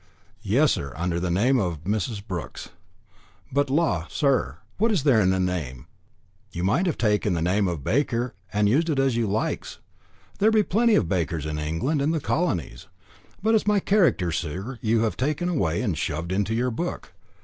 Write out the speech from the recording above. "Yes, sir, under the name of Mrs. Brooks. But law! sir, what is there in a name? You might have taken the name of Baker and used that as you likes. There be plenty of Bakers in England and the Colonies. But it's my character, sir, you've taken away, and shoved it into your book."